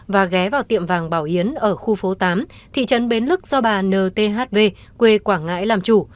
và ghé vào tiệm vàng bảo yến ở khu phố tám thị trấn bến lức do bà nthv quê quảng ngãi làm chủ